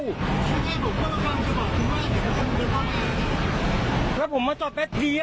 แล้วมันมีมาหรือยังผมมาจอดแป๊บเดียว